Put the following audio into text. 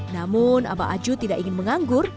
namun abah aju tidak ingin menganggur